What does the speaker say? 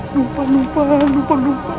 lupa lupa lupa lupa